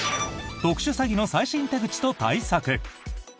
特殊詐欺の最新手口と対策。